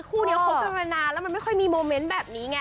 คู่นี้คบกันมานานแล้วมันไม่ค่อยมีโมเมนต์แบบนี้ไง